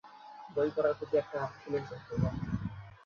আমি ওনাদের আর একটা টিকিট পাঠাতে বলেছি।